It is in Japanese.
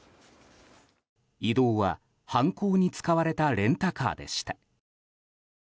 移動は犯行に使われたレンタカーでした。